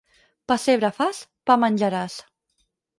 Pessebre fas, pa menjaràs.